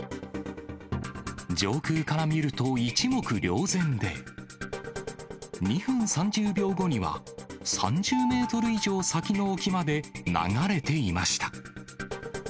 上空から見ると、一目瞭然で、２分３０秒後には、３０メートル以上先の沖まで流れていました。